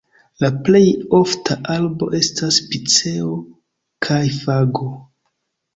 La plej ofta arbo estas piceo kaj fago.